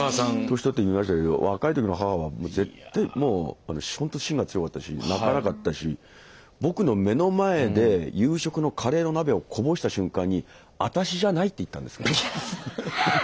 年取って見ましたけど若い時の母はもう絶対ほんと芯が強かったし泣かなかったし僕の目の前で夕食のカレーの鍋をこぼした瞬間に「あたしじゃない！」って言ったんです。